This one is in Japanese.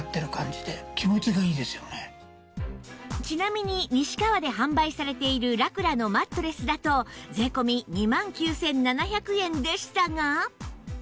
ちなみに西川で販売されているラクラのマットレスだと税込２万９７００円でしたが